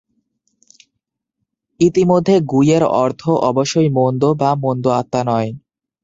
ইতিমধ্যে, "গুই" এর অর্থ অবশ্যই 'মন্দ' বা মন্দ আত্মা নয়।